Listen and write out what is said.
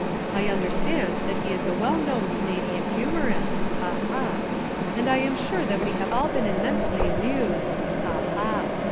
I understand that he is a well known Canadian humourist (ha! ha!) and I am sure that we have all been immensely amused (ha! ha!).